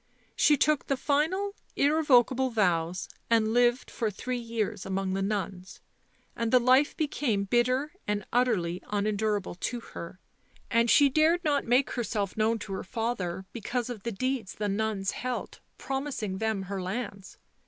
" She took the final, the irrevocable vows, and lived for three years among the nuns. And the life became bitter and utterly unendurable to her, and she dared not make herself known to her father because of the deeds the nuns held, promising them her lands.